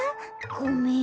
ごめん。